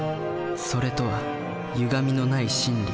「それ」とはゆがみのない真理。